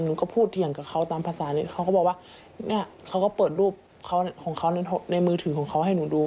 หนูก็พูดเถียงกับเขาตามภาษาเลยเขาก็บอกว่าเนี่ยเขาก็เปิดรูปของเขาในมือถือของเขาให้หนูดู